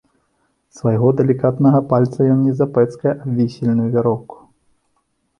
Свайго далікатнага пальца ён не запэцкае аб вісельную вяроўку.